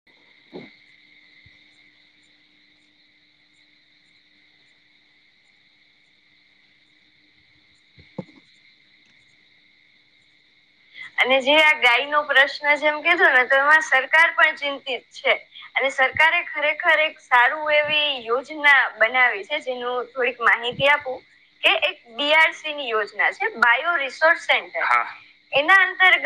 [inaudible] અને જે આ ગાય નો પ્રશ્ન જેમ કીધો ને તો એમાં સરકાર પણ ચિંતિત છે અને સરકારે ખરેખર એક સારું એવી યોજના બનાવી છે જેનું થોડીક માહિતી આપું એ એક ડી. આર. સી. ની યોજના છે બાયો રિસોર્ચ સેન્ટર એના અનંતરગ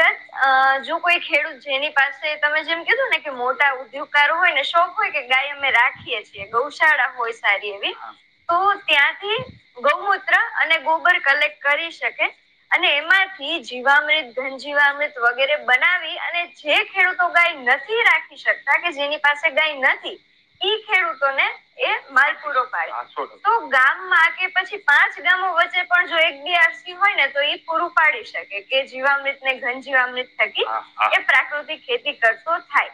અ જો કોઈ ખેડૂત જેની પાસે તમે જેમ કીધું ને કે મોટા ઉદ્યોગકારો હોય ને શો હોય કે ગાય અમે રાખીએ છીએ ગૌશાળા હોય સારી એવી તો ત્યાંથી ગૌમૂત્ર અને ગોબર કલેક્ટ કરી શકે. અને એમાંથી જીવામૃત ઘનજીવા અમૃત વગેરે બનાવી અને જે ખેડૂતો ગાય નથી રાખી શકે કાર કે જેની પાસે ગાય નથી ઈ ખેડૂતોને એ માલપુરો પાડ તો ગામમાં કે પછી પાંચ ગામો વચ્ચે પણ જો એક બેી આકી હોય ને તો એ પૂરું પાડી શકે કે જીવામૃત ને ઘનજીીવામૃત થકી એ પ્રાકૃતિક ખેતી કરતો થાય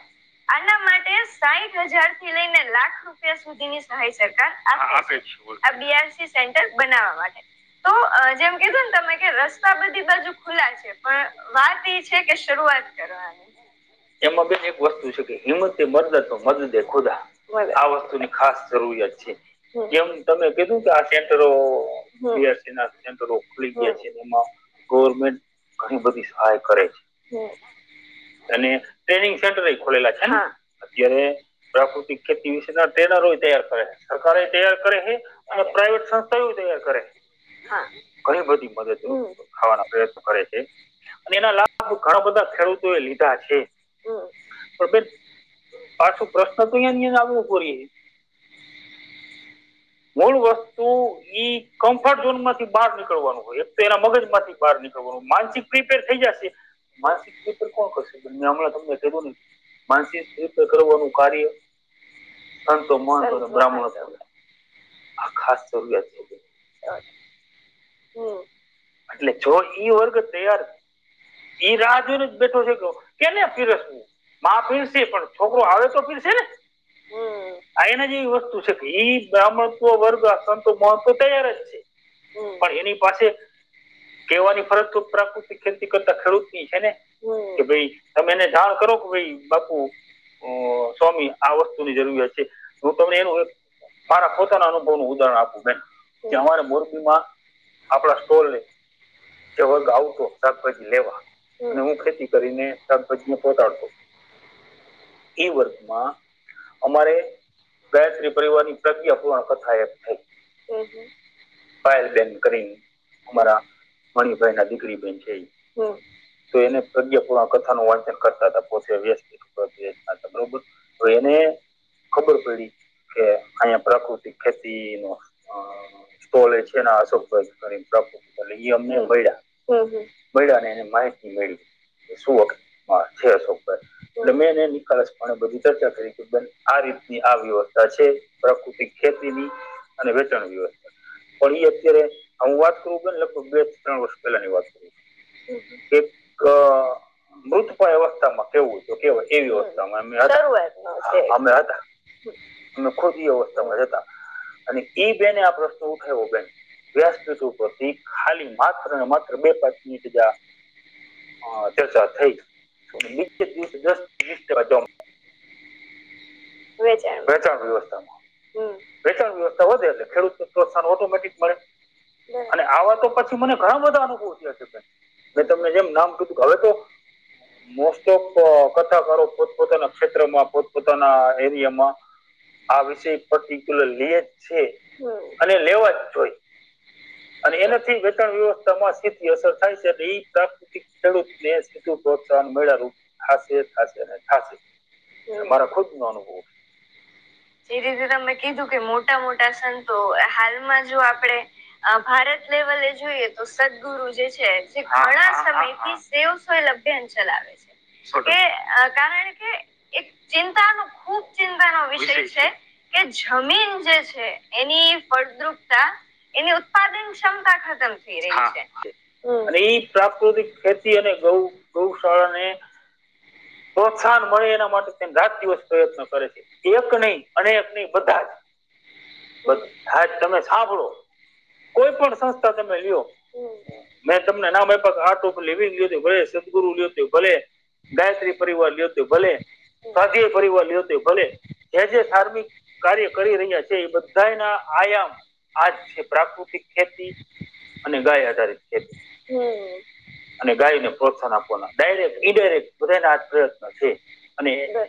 આના માટે સાહીઠ હજાર થી લઈને લાખો રૂપિયા સુધીની સહાય સરકાર આપે છે આ બીઆરસી સેન્ટર બનાવવા માટે તો જેમ કધું ને તમે કે રસ્તા બધી બાજુ ખુલા છે પણ વાત એ છે કે શરૂઆત કરવાની એમાં બે એક વસ્તુ છે કે હિંમતે મદદ મદદે ખુદા આ વસ્તુ ની ખાસ જરૂરિયાત છે. જેમ તમે કીધું કે આ સેન્ટરોસી ના રોલી છે ગવર્મેન્ટ ઘણી બધી સહાય કરે છે. અને ટ્રેનિંગ સેન્ટર ખોલેલા છે અત્યારે પ્રાકૃતિક ખેતી વિશેના ટ્રેનરો તૈયાર કરે છે સરકાર એ તૈયાર કરે છે અને પ્રાાઈવેટ સંસ્થા એવી તૈયાર કરે ઘણી બધી મદદરૂપ ખાવાના પ્રયત્ન કરે છે અને એના લાભ ઘણા બધા ખેડૂતો એ લીધા છે પણ બેન પાછો પ્રશ્ન તો અ આપ પોરી મૂળ વસ્તુ કમ્ફર્ટ ઝોન માંથી બહાર નીકળવાનું હોય એક તો એના મગજ માંથી બહાર નીકળવાનું હોય માનસિક પ્રિપેર થઈ જશે માનસિક પ્રિપેર કોણ કરશે બ હમણાં તમને કું નહીં માનસિક રીતે કરવાનું કાર્ય સંતો મહવ બ્રાહ્મણ આ કાશ જરૂરી આત છે. બેન. હમ એટલે જો ઈ વર્ગ તૈયાર એઈ રાહ જોઈને બેઠો છે ગ કેને ફીરસવું પીરશે પણ છોકરો આવે તો પીરશે ને હમ આ એના જેવી વસ્તુ છે કે એ બ્રાહ્મણત્વ વર્ગ આ સંતો મહવ તૈયાર જ છે હમ પણ એની પાસે કહેવાની ફરજ તો પ્રાકૃતિક ખેતી કરતા ખેડૂત ની છે ને હમ ભાઈ તમે એને જાણ કરો કે ભાઈ બાપુ અ સ્વામી આ વસ્તુની જરૂરિયાત છે હું તમને એનું એક મારા પોતાના અનુભવ નું ઉદાહરણ આપવું બેન કે અમારે મોરબી માં આપણા સ્ટોલ ને જે વર્ગ આવતો શભ જ લેવા અને હું ખેતી કરીને શાકભાજી ને પોહતાડતો એ વર્ગમાં અમારે ગાયત્રી પરિવારની પ્રક્રિયા પૂર્ણ સહાયક થઈ ફાયલ બેન કરીને અમારા મણભાઈ ના દીકરી બેન છે તો એને પ્રજ્પૂર્ણ કથા નું વાંચન કરતા હતા પોતે વ્યસ્ત બરોબર હવે એને ખબર પડી કે અહંયા પ્રાકૃતિક ખેતી ન સ્ટોલે છે આસો પ એ અમને બ ને એને માહિતી મેળવી શું વખત હ છેસો ઉપર એટલે મેં એને નિકાલસપ બધી ચર્ચા કરીરીકે બ આ રીતની આ વ્યવસ્થા છે પ્રાકૃતિક ખેતીની અને વેચાણ વ્યવસ્થા પણ એ અત્યારે હું વાત કરું કે ને લગભગ બેથી ત્રણ વર્ષ પહેલા ની વાત કરું છું એક મૃત અવસ્થામાં કેવું હત કેવાય એવી અવસ્થામાં અમે હતા નખોદ એ અવસ્થામાં જ હતા અને ઈ બેને આ પ્રશ્ન ઉઠાયો બેન વ્યાસપીઠ ઉપરથી ખાલી માત્ર ને માત્ર બે પાંચ મિનિટ જ હ ચર્ચા થઈ નીચે દસ વ વેચાણ વેચાણ વ્યવસ્થામાં વેચાણ વ્યવસ્થા વધે ખેડૂતને પ્રોત્સાહન ઓટોમેટિક મળે આવા તો પછી મને ઘણા બધા અનુભવ થયા છે. મેં તમને જેમ નામ કીધું હવે તો મોસ્ટ ઓફ કથાકારો પોતપોતાના ક્ષેત્રમાં પોતપોતાના ધેર્યમાં આ વિષય પર્ટિક્યુલર લીએે જ છે અને લેવા જ જોઈ અને એનાથી વેચાણ વ્યવસ્થામાં સીધી અસર થાય છે એટલે ઈ ખેડૂત ને સીધું પ્રોત્સાહન મળીયા રૂપ થાશે થાશે ને થાશે મારા ખુદ નો અનુભવ [unintelligible] જે રીતે તમે કીધું કે મોટા મોટા સંતો હાલમાં જો આપણેે અ ભારત લેવલે જોઈએ તો સદગુરુ જે છે તે ઘણા સમયથી તેઓ સોયલ અભિયાન ચલાવે છે. એ કારણ કે એક ચિંતાનો ખુબ ચિંતાનો વિષય છે. કે જમીન જે છે એની ફળદ્રુપતા એની ઉત્પાદન ક્ષમતા ખતમ થઈ રહી છે. અને ઈ પ્રાકૃતિક ખેતી અને ગૌ ગૌશાળા ને પ્રોત્સાહન મળે એના માટે તેમ રાત દિવસ પ્રયત્ન કરે છે. એક નહી અનેક નહી બધા જ બધા જ તમે સાંભળો કોઈ પણ સંસ્થા તમે લ્યો મેં તમને નામ આપ્યા કે આર્ટ ઓફ લિવિંગ લીધું ભલે સદગુરુ લીધું ભલે ગાયત્રી પરિવાર લીયો તો ભલે સાદી એ પરિવાર લીયો તો ભલે જે જે ધાર્મિક કાર્ય કરી રહ્યા છે એ બધાય ના આયામ આજ છે પ્રાકૃતિક ખેતી અને ગાય આધારિત ખેતી અને ગાયને પ્રોત્સાહન આપવાના ડાયરેક્ટ ઇડાયરેક્ટ બધા ના આ પ્રયત્ન છે. અને ઘરે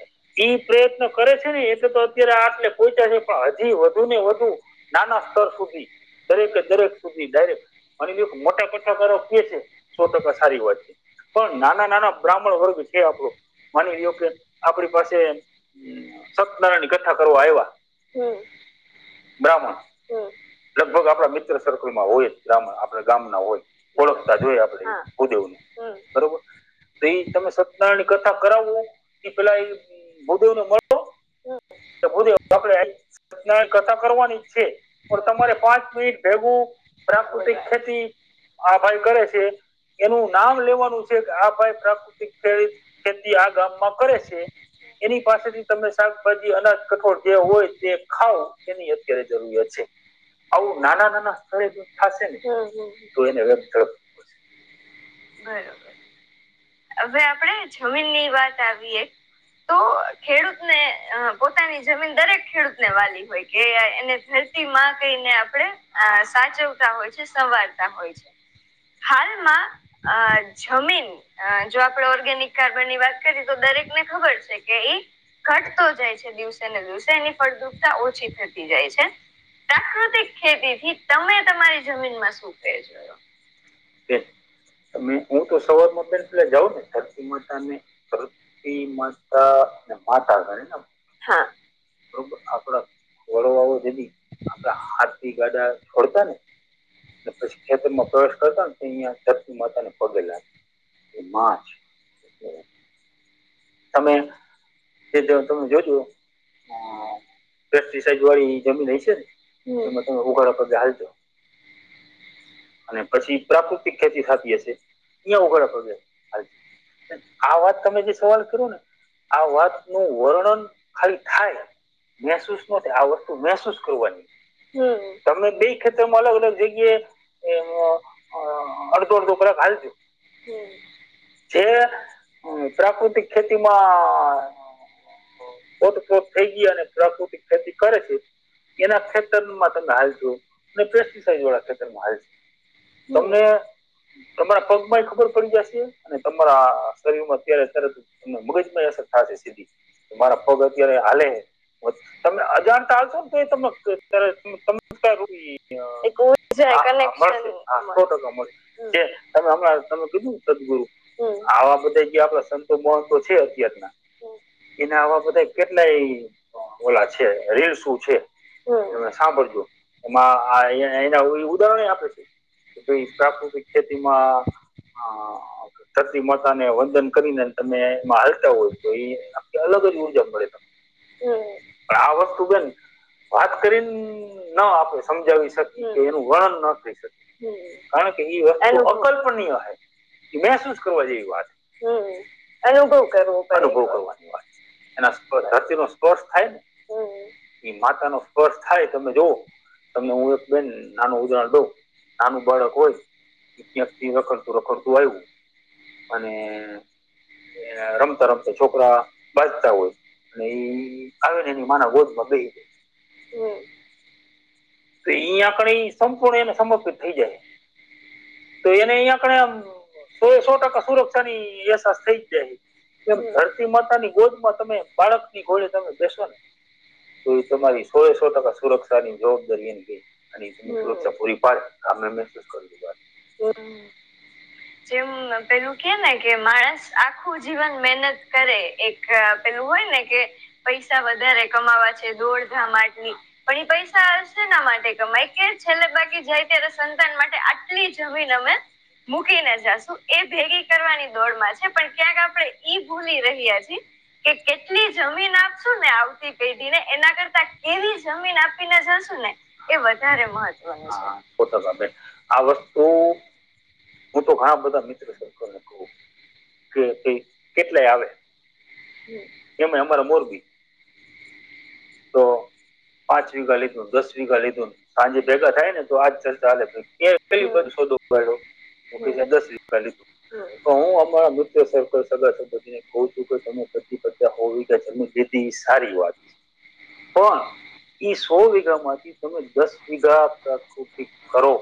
ઈ પ્રયત્ન કરે છે ને એ તો તો અત્યારે આટલે પોઈચા છે પણ હજી વધુ ને વધુ નાના સ્તર સુધી દરેકે દરેક સુધી ડાયરેક્ટ માની લ્યો કે મોટા કથાકારો કહે છે સો ટકા સારી વાત છે પણ નાના નાના બ્રાહ્મણ વર્ગ છે આપડો માની લ્યો કે આપડી પાસે સત્યનારાયણ ની કથા કરવા આવ્યા બ્રાહ્મણ લગભગ આપણા મિત્ર સર્કલમાં હોય જ બ્રાહ્મણ આપણા ગામ ના હોય. ઓળખતા જોઈ આપડે ભુદેવને બરોબર તો ઈ તમે સત્યનારાયણ કથા કરાવવું એ પેલા ભુદેવ ને મળો તો ભુદેવ આપડૅ કથા કરવાની છે પણ તમારે પાંચ મિનિટ ભેગું પ્રાકૃતિક ખેતી આ ભાઈ કરે છે એનું નામ લેવાનું છે કે આ ભાઈ પ્રાકૃતિક ખેતી ખેતી આ ગામમાં કરે છે. એની પાસેથી તમે શાકભાજી અનાજ કઠોળ જે હોય તે ખાવ એની અત્યારે જરૂરિયાત છે. આવું નાના નાના સ્થળે થશે ને તો એને બરોબર હવે આપડે જમીન ની વાત આવીએ તો ખેડૂતને અ પોતાની જમીન દરેક ખેડૂતને વાલી હોય કે એને તી માં કહીને આપણે સાચવતા હોય છે સવારતા હોય છે. હાલમાં અ જમીન જો આપડે ઓર્ગેનિક ખાતર ની વાત કરીએ તો દરેક ને ખબર છે કે ઈ ઘટતો જાય છે, દિવસે ને દિવસે એની ફળદ્રુપતા ઓછી થતી જાય છે. પ્રાકૃતિક ખેતી થી તમે તમારી જમીન માં શું ફેર જોયો? કે તમે હું તો સવારમાં પેલા પેલા જાઉં ને ધરતી માતા ને તી માતા ને માતા ખરી ને આપ બરોબર આપડા વડવાઓ જ આપડા હાથ થી ગાડા છોડતા ને એ પછી ખેતરમાં પ્રવેશ કરતા ને એ અહિયાં ધરતી માતા ને પગે લાગે એ માં છે તમે એ જાઉં તમે જોજો હ પેસ્ટીસાઈડ વાળી જમીન હયસે ને હમમ એમાં તમે ઉગાડા પગે હાલજો અને પછી પ્રાકૃતિક ખેતી થાતી હશે યા ઉધાડા પગે હાલ એટલે આ વાત તમે જે સવાલ કરો ને આ વાત નું વર્ણન ખાલી થાય. મહેસૂસ નો છે આ વસ્તુ મહેસૂસ કરવાની. હમ્મ તમે બે ખેતર માં અલગ અલગ જગ્યાએ તો આહ અડધો અડધો કલાક હાલી દો. છે એ પ્રાકૃતિક ખેતીમાં આહ પોત પોત થઈ ગયા અને પ્રાકૃતિક ખેતી કરે છે. એના ખેતર માં તમે હાલ જો અને પેસ્ટિસાઇડ વાળા ખેતર માં હાલ જો. તમને તમારા પગ માય ખબર પડી જશે અને તમારા શરીર માં અત્યારે તરત એમના મગજમાં અસર થાશે સીધી કે મારા પગ અત્યારે હાલે બસ તમે અજાણતા હાલશો તો એ તમને અત્યારે તમ તમારું બિ ને એ ગો જાય કલેક્શન ટોટલ માં મળી તે કતમે હમણાં તમે કીધું સદગુરુ આવા બધા કે આપડા સંતો મહોતો છે અતાર ના એના આવા બધા કેટલાય ઓલા છે રિલ્સ ઓ છે. એમાં સાંભળજો એમાં આ અહીંયા ઓલું ઉદાહરણ આપે છે. તો એ પ્રાકૃત ખેતી માં આહ અહ ધરતી માતા ને વંદન કરીને તમે એમાં હાલતા હોય તો એ ઈ અલગ જ ઉર્જા મળે. પણ આ વસ્તુ બેન વાત કરીન ન આપે સમજાવી શકીએ કે એનું વર્ણન ન થઈ શકે. કારણ કે એ એનું અકલ્પનીય હે. કે મહેસૂસ કરવા જેવી વાત. અનુભવ કરવાની વાત. એના સ્પ ધરતી નો સ્પર્શ થાય ને એ માતા નો સ્પર્શ થાય તમે જોવો તમને હું એક બેન નાનો ઉદાહરણ દઉ નાનું બાળક હોય ક્યાંક થી રખડતું રખડતું આયુ અને એ આ રમતા રમતા છોકરા બાજતા હોય અને ઇ આવે ને એની માને ગોધમાં બેહી જાએ તો એ આપડે સમપૂર્ણ એને સમર્પિત થઈ જાય. તો એને એ કણે આમ સો સો ટકા સુરક્ષાની અહેસાસ થઈ જ જાય. કે ધરતી માતા ની ગોદ માં તમે બાળક ની ગોળે તમે બેસોને તો એ તમારી સો એ સો ટકા સુરક્ષા ની જવાબદારી એમ કે. અને એક તો સુરક્ષા પૂરી પાડ આમે મહેસૂસ કરતી વાત. હમ્મ. જેમ પેલું કેને કે માણસ આખું જીવન મહેનત કરે એક આ પેલું હોય ને કે પૈસા વધારે કમાવા છે દોડધામ આટલી પણ એ પૈસા શેના માટે કમાય કે છેલ્લે બાકી જાય ત્યારે સંતાન માટે આટલી જ જમીન અમે મૂકીને જાશું એ ભેગી કરવાની દોડમાં છે પણ ક્યાંક આપડે ઈ ભૂલી રહ્યા છી કે કેટલી જમીન આપસું ને આવતી પેઢી ને એના કરતા કેવી જમીન આપીને જશુ ને એ વધારે મહત્વનું છે. પોતાના બેન. આ વસ્તુ હું તો ઘણા બધા મિત્ર સર્કલ ને કહું. કે પી કેટલાય આવે. એમે અમારા મોરબી. તો પાંચ વીઘા લીધું દસ વીઘા લીધું હાંજે ભેગા થાય ને તો આજ સર ચાલે ભઈ કે કઈ વસ્તુ દો બએલો મૂ કે દસ વીગા લીધું. તો હું અમારા સર્કલ, સગા સંબંધી ને કે કહું છું કે તમે પચ્ચી પચ્ચા હો વિઘા જમીન હોવી લીધી એ સારી વાત છે પણ એઈ સો વીઘા માંથી તમે દસ વીઘા પ્રાકૃતિક કરો.